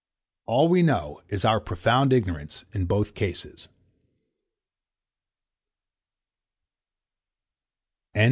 All we know is our profound ignorance in both cases.